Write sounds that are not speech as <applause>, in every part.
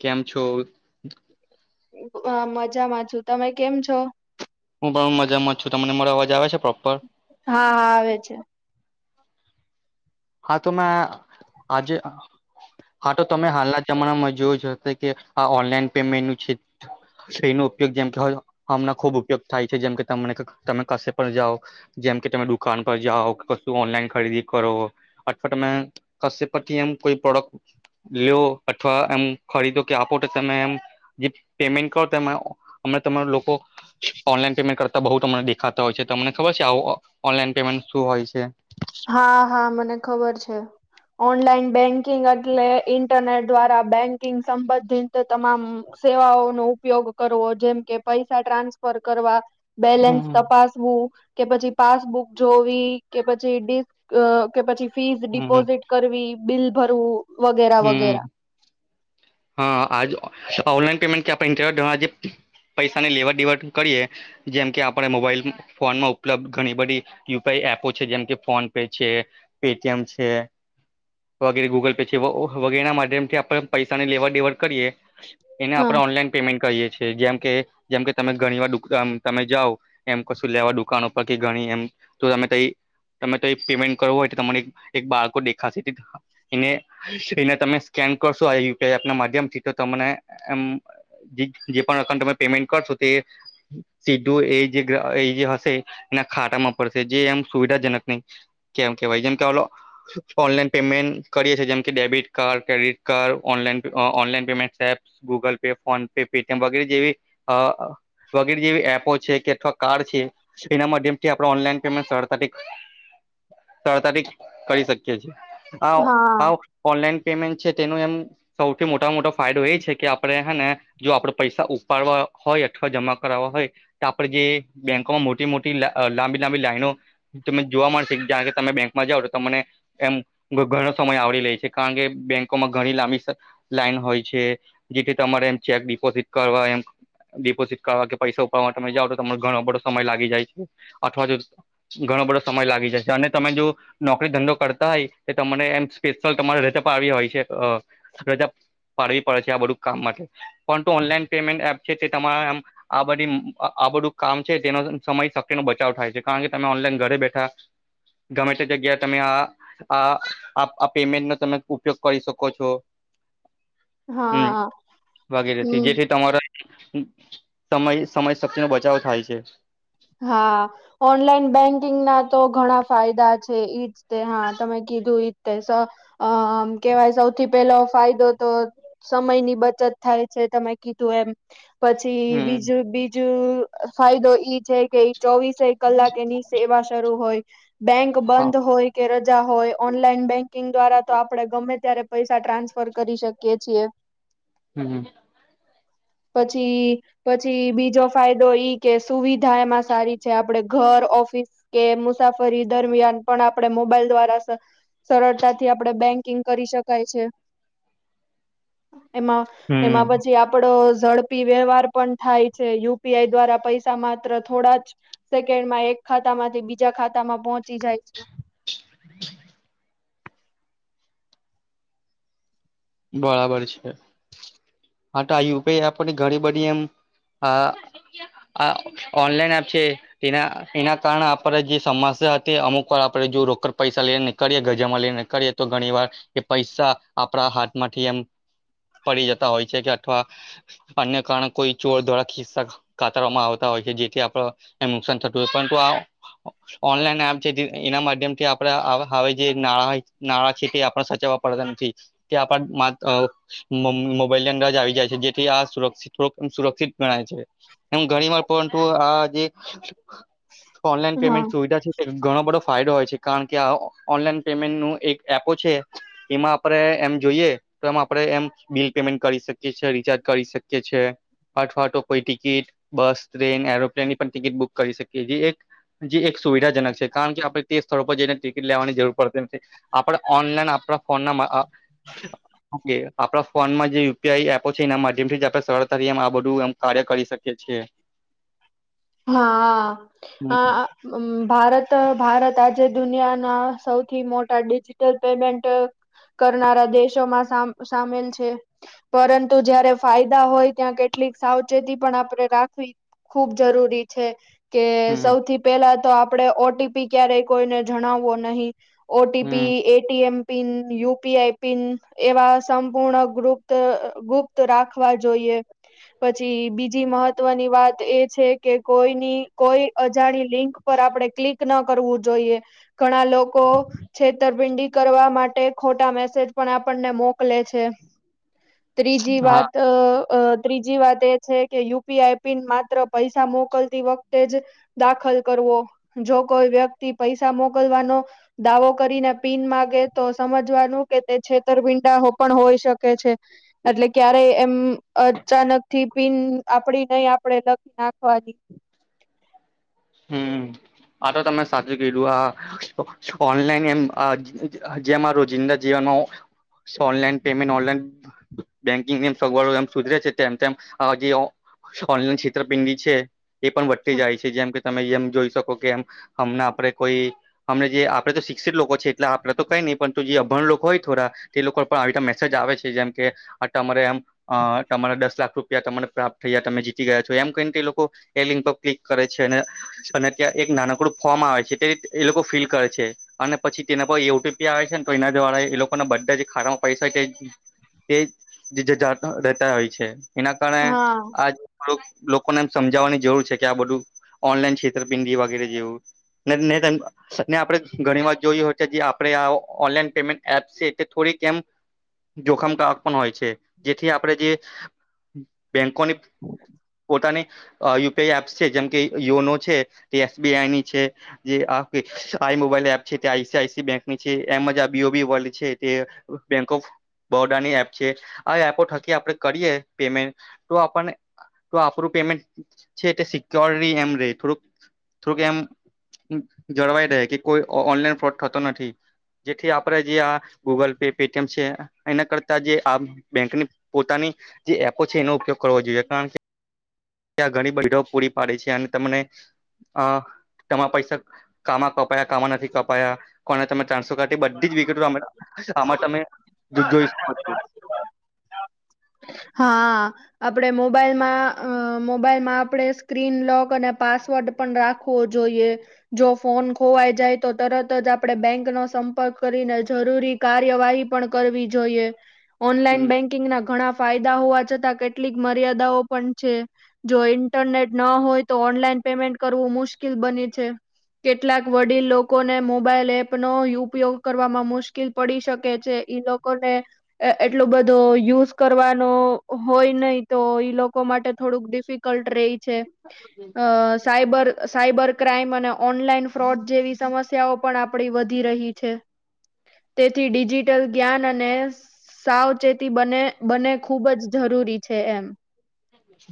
કેમ છો? હ મજામાં છું તમે કેમ છો? હું પણ મજામાં જ છું. તમને મારો અવાજ આવે છે? પ્રોપર હા હા આવે છે. હા તો મે આજે હા તો તમે હાલના જમાના માં જો જોશે કે આ ઓનલાઈન પેમેન્ટ નું છે. એનો ઉપયોગ જેમ કે હમણા ખુબ ઉપયોગ થાય છે જેમકે તમને તમે કશે પણ જાઓ જયા કે તમે દુકાન પર જાઓ કશું ઓનલાઈન ખરીદી કરો અથવા તમે કસે પરથી એમ કોઈ પ્રોડક્ટ લો અથવા એમ ખરીદો કે આપો તમે જે પેમેન્ટ કરો અમે તમાર લોકો ઓનલાઈન પેમેન્ટ કરતા બહુ તમને દેખાતા હોય છે તમને ખબર છે આવ ઓનલાઈન પેમેન્ટ શું હોય છે? હા-હા મને ખબર છે. ઓનલાઈન બેંકિંગ એટલે ઈન્ટરનેટ દ્વારા બેંકિંગ સંબંધિત તમામ સેવાઓનો ઉપયોગ કરવો જેમકે પૈસા ટ્રાન્સફર કરવા બેલેન્સ હમ તપાસવું કે પછી પાસબુક જોવી કે પછી પછી ડિસ્ક કે પછી ફીસ હમ ડિપોઝિટ કરવી બિલ ભરવું. વગેરે વગેરે હમ હા આજ ઓનલાઈન પેમેન્ટ <inaudible> ઇન્ટરવ્યુ દ આજે પૈસાની લેવડ દેવડ કરીએ જેમ કે આપણે મોબાઈલ ફોનમાં ઉપલબ્ધ ઘણી બધી યુ પી આઈ એપો છે જેમકે ફોન પે છે પેટીએમ છે વગેરે ગૂગલ પે જે વગેરે ના માધ્યમ થી આપણે પૈસાની લેવડ દેવડ કરીએ એને હા આપણે ઓનલાઈન પેમેન્ટ કરીએ છીએ જેમ કે જેમ કે તમે ઘણી વાર તમે દુ જાઓ એમ કશું લેવા દુકાન પર કે ગણી એમ તો તયી તમે પેમેન્ટ કરવો હોય તો તમારી એક એક બાળકો દેખાશે એને એને તમે સ્કેન કરશો આ યુ પી આઈ એપના માધ્યમ થી તો તમને એમ જે પણ એકાઉન્ટ તમે પેમેન્ટ કરશો તે સીધું એ જે એ જે હશે ના ખાતામાં પડશે જે એમ સુવિધાજનક નહી કેમ કેવાય જેમ કે ઓલા ઓનલાઈન પેમેન્ટ કરીએ છીએ જેમ કે debit card, credit card, online online payments apps, Google Pay, PhonePe, Paytm વગેરે જેવી અ આ વગેરે જેવી એપો છે કે અથવા કાર્ડ છે એના માધ્યમથી આપણે ઓનલાઈન પેમેન્ટ સરળતાથી સરળતાથી કરી શકીએ છીએ આ હા આ ઓ ઓનલાઈન પેમેન્ટ છે તેનો એમ સૌથી મોટા મા મોટો ફાયદો એ છે કે આપણે હે ને જો આપડે પૈસા ઉ ઉપાડવા હોય અથવા જમા કરાવવા હોય તો આપડે જે બેંકોમાં મોટી મોટી લાંબી લાંબી લાઈનો તમે જોવા મળશે જયારે તમે બેંકમાં જાવ અને તમને એમ ઘણો સમય આવરી લે છે. કારણ કે બેંકોમાં ઘણી લાંબી લાઈન હોય છે જેથી તમારે એમ ચેક ડિપોઝિટ કરવા બેક ડિપોઝીટ કરવા કે પૈસા ઉપાડવા તમે જાવ તો તમારો ઘણો બધો સમય લાગી જાય છે અથવા જો ઘણો બધો સમય લાગી જાય છે અને તમે જો નોકરી ધંધો કરતા હોય તો તમને એમ સ્પેસ ચાલ તમારે રજા પણ આવી હોય છે રજા પાડવી પડે છે આ બધું કામ માટે પરંતુ ઓનલાઈન પેમેન્ટ એપ છે તે તમારા આમ આ બધી આ બધું કામ છે તેનો સમય શક્તિ નો બચાવ થાય છે કારણ કે તમે ઓનલાઈન ઘરે બેઠા ગમે તે જગ્યાએ તમે આ પેમેન્ટ નો તમે ઉપયોગ કરી શકો છો હમ હા વગેરેથી હમ જેથી તમારા સમય સમય શક્તિ નો બચાવ થાય છે હા ઓનલાઈન બેંકિંગ ના તો ઘણા ફાયદા છે ઈજ તે હા તમે કીધું એજ તે આમ કેવાય સૌથી પેલો ફાયદો તો સમયની બચત કરવી થાય છે તમે કીધું એમ પછી હમ બીજું બીજું ફાયદો ઈ છે કે કે ચોવીસે કલાક એની સેવા શરૂ હોય બેંક હા બંધ હોય કે રજા હોય હોય ઓનલાઈન બેકિંગ દ્વારા તો આપડે ગમે ત્યારે પૈસા ટ્રાન્સફર કરી શકીએ છીએ હમ હ પછી પછી બીજો ફાયદો ઈ કે સુવિધા એ સારી છે આપડે ઘર ઓફિસ કે મુસાફરી દરમિયાન પણ આપણે મોબાઈલ દ્વારા સરળતાથી આપણે બેંકીંગ કરી શકાય છે એમાં એમાં હમ પછી આપડો ઝડપી વ્યવહાર પણ થાય છે યુપીઆઈ દ્વારા પૈસા માત્ર થોડા જ સેકન્ડમાં એક ખાતા માંથી બીજા ખાતા માં પહોચી જાય છે <unintelligible> બરાબર છે હા તો યુપીઆઈ આપની ઘણી બધી એમ હા આ ઓનલાઈન એપ છે એના એના કારણે આપણે જે સમાસ. અમુક વાર આપડે જો રોકડ પૈસા લઈ નીકએ ગજામાં લઈ ની કરીએ તો ઘણી વાર એ પૈસા. આપણા હાથમાંથી એમ. પડી જતા હોય છે કે અથવા અન્ય કારણે કોઈ ચોર દ્વારા ખિસ્સા કાતરવામાં આવતા હોય. હોય છે જેથી આપડ નુકસાન થતું હોય પરંતુ આ. ઓનલાઈન એપ છે જે એના માધ્યમથી આપડે આવા આવે જે નાળા હોય નાળા છે તે આપ સાચ <unintelligible> તે આપડે માં અ મ મોબાઈલ ની અંદર જ આવી જાય છે, જેથી આ સુર સુર સુરક્ષિત ગણાય. એમ ઘણી વાર પરંતુ આ જે ઓનલાઈન હા પેમેન્ટ સુવિધા છે ઘણો બધો ફાયદો હોય છે. કારણ કે આ ઓનલાઈન પેમેન્ટ નો એક એપો છે એમાં આપણે એમ. જોઈએ તો એમ આપડે એમ બિલ પેમેન્ટ કરી શકીએ છીએ રિચાર્જ કરી શકીએ છે. અથવા તો કોઈ ટિકિટ બસ ટ્રેન એરોપ્લેન ની પણ ટિકિટ બુક કરી શકીએ જે એક. જે એક સુવિધાજનક છે કારણ કે આપણે તે સ્થળો પર જઈને ટિકિટ લેવાની જરૂર પડતી છે આપણે ઓનલાઈન. પડા ફોન ના અ. ઓકે આપણા ફોનમાં જે યુપીઆઈ એપો છે એના માધ્યમથી આપણે સરળતા આ બધું એમ કાર્ય કરી શકીએ છીએ. <inaudible> હા હ હમ ભારત. ત ભારત આજે દુનિયાના સૌથી મોટા ડિજિટલ પેમેન્ટ. કરનારા દેશોમાં સામ સામેલ છે પરંતુ જયારે ફાયદા હોય ત્યાં કેટ લી સાવચેતી પણ આપણે રાખવી ખૂબ જરૂરી છે કે હમ સૌથી પેલા તો આપ. પડે ઓટીપી ક્યારેય કોઈને જણાવવો નહી હમ OTP ATM. Pin UPI pin એવા સંપૂર્ણ ગુપત ગુપ્ત રાખવા જોઈએ. એ પછી બીજી મહત્વની વાત એ જ છે કે કોઈની કોઈ અજાણી લિંક પર આપણે ક્લિક ના કરવું જોઈએ, ઘણા લોકો છેતરપિંડી કરવા માટે ખોટા મેસેજ પણ આપણને મોકલે છે. ત્રીજી હા વાત અ અ ત્રીજી વાત એ છે કે યુપીઆઈ પિન માત્ર પૈસા મોકલતી વખતે જ દાખલ કરવો, જો કોઈ વ્યક્તિ પૈસા મોકલવાનો દાવો કરીને પીન માગે તો સમજવાનું કે તે છેતરપીંડા પણ હોઈ શકે છે. એટલે ક્યારે એમ અચાનક થી પીન આપડી નહી આપડે લગ નાખવા દે હમ <unintelligible> આ તો તમે સાચું કીધું આ ઓનલાઈન એમ જેમાં રોજિંદા જી જીવનનો. ઓનલાઈન પેમેન્ટ ઓનલાઈન બેન્કિંગ ની સગવડો એ સુધરે છે, તેમ તેમ અ જે ઓ ઓનલાઈન છેતરપિંડી છે એ પણ વધતી જાય છે જેમ કે મયમ જોઈ શકો કેમ હમણાં આપડે કોઈ હમણા જે આપડે તો શિક્ષિત લોકો છે એટલે આપડે તો કઈ નહી. પરંતુ જે અભણ લોકો હોય થોડા તે લોકો પણ આવી રીતે મેસેજ આવે છે, જેમ કે તમારે એમ અ તમારા દસ લાખ રૂપિયા તમને પ્રાપ્ત થઈયા તમે જીતી ગયા છો એમ કહીને એ લોકો એ લિંક પર ક્લિક કરે છે અને. અને ત્યાં એક નાનકડું ફોર્મ આવે છે, તે એ લોકો ફિલ કરે છે અને પછી તેના પર એ યુટ્યુબ છે ને તો એના દ્વારા એ લોકોના બધા જે ખારા પૈસા છે. તેજ જજ જાતા રહેતા હોય છે. એના કારણે હા. આ લોક લોકોને એ સમજાવવાની જરૂર છે કે આ બધું ઓનલાઈન છેતરપિંડી વગેરે જેવું ન ને આપડે ઘણી વાર જોય હોય જેથી આપડે આ આવો ઓનલાઇન પેમેન્ટ એપ છે થોડીક એમ જોખમ તો આપન હોય છે. છે જેથી આપણેે જે. બેંકોની પોતાની અ યુપીઆઈ એપ્સ છે જેમ કે યોનો છે તે એસબીઆઈ ની છે જે આ આઈ મોબાઈલ એપ છે તે આઈસી આઈસી બેંક ની છે, એમજ આ બી ઓ બી વર્લ્ડ છે તે બેંક ઓફ બડાની એપ છે આ એપો થકી આપણે કરીએ પેમેન્ટ તો આપણને તો આપણું પેમેન્ટ છે તે સિક્યોર એમ રે થોડુંક થોડુંક એમ જળવાઈ રહેે કે કોઈ ઓનલાઈન ફોટ થતો નથી. જેથી આપણે જે આ ગૂગલ પે પેટીએમ છે એના કરતા જે આ બેંકની પોતાની જે એપો છે એનો ઉપયોગ કરવો જોઈએ કારણ કે <unintelligible> ત્યાં ઘણી બઘી <unintelligible> પૂરી પાડે છે અને તમને અહ તમારા પૈસા કામાં કપાયા, કામાં નથી કપાયા કોને તમે <unintelligible> બધીજ વિગતો આમાં તમે જોઈ શકો છો. હા. આપણે મોબાઈલમાં અ મોબાઈલમાં આપણે સ્ક્રીન લોક અને પાસવર્ડ પણ રાખવો જો ઈએ જો ફોન ખોવાઈ જાય તો તરત જ આપડે બેંક નો સંપર્ક કરીને જરૂરી કાર્યવાહી પણ કરવી જોઈએ. ઓનલાઈન હમ બેંકિંગ ના ઘણા ફાયદા હોવા છતાં કે ટલીક મર્યાદાઓ પણ છે જો ઈન્ટરનેટ ન હોય તો ઓનલાઈન પેમેન્ટ કરવું મુશ્કેલ બને છે કેટ લાક વડીલ લોકોને મોબાાઈલ એપનો ઉપયોગ કરવામાં મુશ્કેલ પડી શકે, છે. ઈ લોકોને એટલું બધો યુઝ કરવાનો હોય નય તો લોકો માટે થોડુંક ડિફિકલ્ટ રેય છે. અ સાયબર સાયબર ક્રાઈમ અને ઓનલાઈન ફ્રોડ જેવી સમસ્યાઓ પણ આપડી વધી રહી છે. તેથી ડિજિટલ જ્ઞાન અને સાવચેતી બને બને ખૂબ જ જરૂરી છે એમ.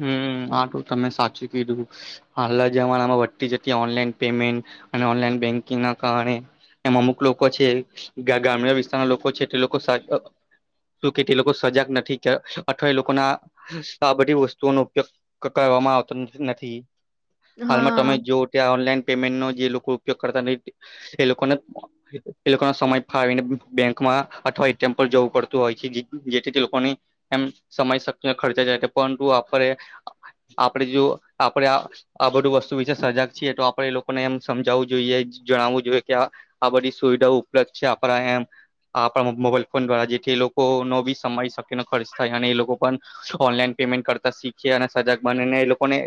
હમ્મ આ તો તમે સાચું કીધું હાલલા જમાનામાં વધતી જતી ઓનલાઈન પેમેન્ટ અને ઑનલાઇન બેંકિંગના કારણે એમ અમુક લોકો છે, ગા ગામડા વિસ્તારના લોકો છે એ લોકો સાચ અહ શું કે તે લોકો સજાગ નથી કે, અઠવા એ લોકો ના તો આ બધી વસ્તુઓ નો ઉપયોગ કરવામાં આવતો નથી. હાલમાં તમે હા જો ત્યા ઓનલાઈન પેમેન્ટ નો જે લોક ઉપયોગ કરતા નઈ, એ લોકો ને, એ લોકોનો સમય ફાવીને બેંકમાં અઠવા ટેમ્પલ જવું પતું હોય છે, જેથી તે લોકોની એમ સમય શક ખર્ચાય જાય છે. પણંતું આપડે આપડે જો આપડે આ બધું વસ્તુ વિશે સજાગ છીએ, તો આપડે એ લોકોને એમ સમજાવવું જોઈએ જણાવવું જોઈએ કે આ, આ બધી સુવિધાઓ ઉપલબ્ધ છે, આપણા એમ આપણા મોબાઈલ ફોન દ્વારા, જેથી એ લોકો નો બી સમય શક્ય ન ખર્ચ થાય અને એ લોકો પણ ઓનલાઈન પેમેન્ટ કરતા શીખી અને સજાગ બનેને એ લોકોને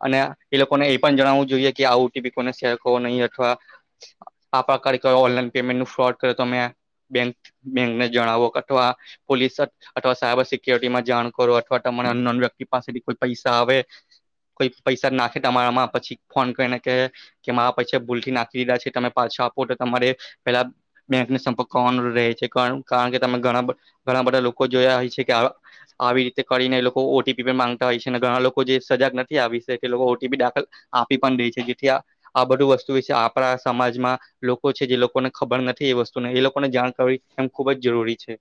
અને એ લોકોને એ પણ જણાવવું જોઈએ કે આવુ <unintelligible> અથવા <unintelligible> ખરેખર ઓનલાઈન પેમેન્ટનું ફ્રોડ કરે તો મેં બેક બેંકને જણાવો અથવા પોલીસ અથવા સાયબર સિક્યોરિટીમાં જાણ કરો. અથવા તમને અન નોન વ્યક્તિ પાસેથી કોઈ પૈસા આવે કોઈ પૈસા નાખે તમારામાં, પછી ફોન કરીને કે કે મારા પૈસા ભૂલથી નાખી દીધા છે, તમે પાછા આપો તમારે પેલા બેંકને સંપર્ક રેહ છે, કારણકે તમે ઘણા બધ, ઘણા બધા લોકો જોયા હોય છે કે આવા આવી રિતે કરીને એ લોકો ઓ ટી પી પણ માંગતા હોય છે અને ઘણા લોકો જે સજાગ નથી આ વિશે એ લોકો ઓ ટી પી દાખલ આપી પણ દેય છે, જેથી આ, આ બધું વસ્તુ વિશે આપડા સમાજમાં લોકો છે જે લોકોને ખબર નથી એ વસ્તુને એ લોકોને જાણ કરવી એમ ખુબજ જરૂરી છે,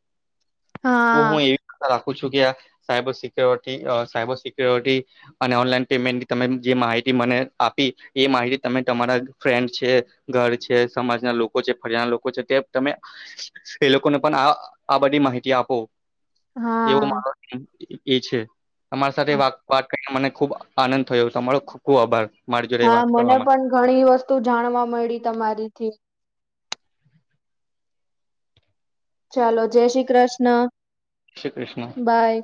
તો હા હું એવી આશા રાખું છું કે આ સાયબર સિક્યોરિટી, સાયબર સિક્યોરિટી અને ઓનલાઈન પેમેન્ટની તમે જે માહિતી મને આપી એ માહિતી તમે તમારા ફ્રેન્ડ છે, ઘર છે, સમાજના લોકો છે, ફરિયના લોકો છે, એ લોકોને પણ આ, આ બધી માહિતી આપો. હા. એમ એ છે. તમારા સાથે વાત વાત કરીને મને ખુબ આનંદ થયો. તમારો ખબ ખૂબ આભાર. મારી જોડે હા, વાત કરવા મને માટે પણ ઘણી વસ્તુ જાણવા મળી તમારીથી ચાલો, જય શ્રી કૃષ્ણ. શ્રી કૃષ્ણ. બાય